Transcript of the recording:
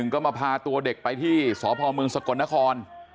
๑๙๑ก็มาพาตัวเด็กไปที่สพมสกลนคร